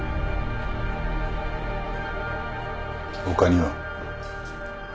他には？